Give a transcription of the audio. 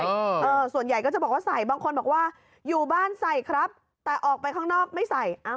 เออส่วนใหญ่ก็จะบอกว่าใส่บางคนบอกว่าอยู่บ้านใส่ครับแต่ออกไปข้างนอกไม่ใส่